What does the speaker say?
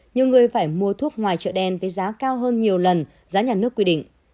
nhiều người phải mua thuốc ngoài chợ đen với giá cao hơn nhiều lần giá nhà nước quy định